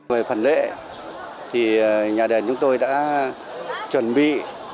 về phần lễ thì nhà đền chúng tôi đã chuẩn bị tất cả những tân tu tôn tạo